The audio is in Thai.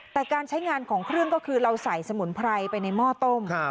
แต่การใช้งานของเครื่องก็คือเราใส่สมุนไพรไปในหม้อต้ม